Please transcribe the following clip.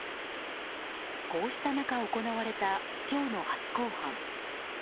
こうした中行われた今日の初公判。